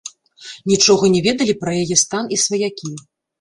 Нічога не ведалі пра яе стан і сваякі.